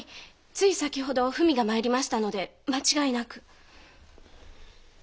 つい先ほど文が参りましたので間違いなく。